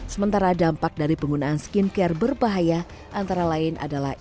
sementara dampak dari penggunaan skincare berbahaya antara lain adalah